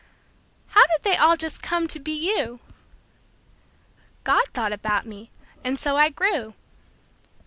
How did they all just come to be you? God thought about me, and so I grew.